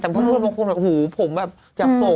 แต่เพื่อนบางคนแบบหูผมแบบอยากตก